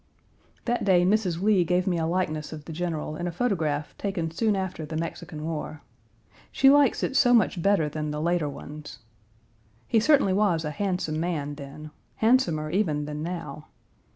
That day, Mrs. Lee gave me a likeness of the General in a photograph taken soon after the Mexican War. She likes it so much better than the later ones. He certainly was a handsome man then, handsomer even than now.